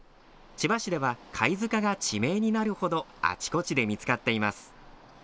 千葉市では貝塚が地名になるほどあちこちで見つかっています。